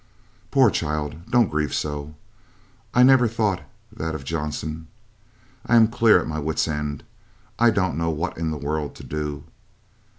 "Poor child, don't grieve so. I never thought that of Johnson. I am clear at my wit's end. I don't know what in the world to do.